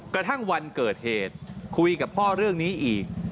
กระทั่งวันเกิดเหตุคุยกับพ่อเรื่องนี้อีก